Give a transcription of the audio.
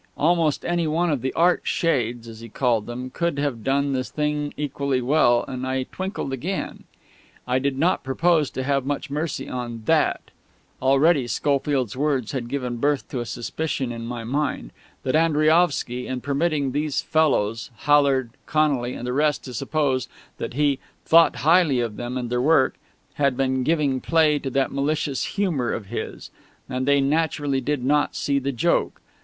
Almost any one of the "Art Shades," as he had called them, could have done the thing equally well, and I twinkled again. I did not propose to have much mercy on that. Already Schofield's words had given birth to a suspicion in my mind that Andriaovsky, in permitting these fellows, Hallard, Connolly, and the rest, to suppose that he "thought highly" of them and their work, had been giving play to that malicious humour of his; and they naturally did not see the joke.